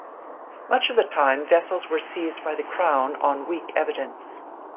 Much of the time vessels were seized by the Crown on weak evidence.